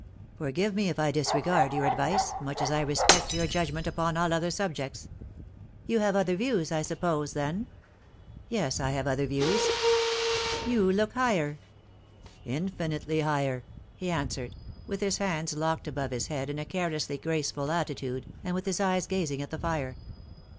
" Forgive me if I disregard your advice, much as I respect your judgment upon all other subjects." " You have other views, I suppose, then ?"" Yes, I have other views." " You look higher ?"" Infinitely higher," he answered, with his hands locked above his head in a carelessly graceful attitude, and with his eyes gazing at the fire.